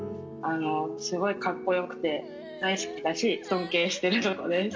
すごいカッコよくて大好きだし尊敬してるとこです。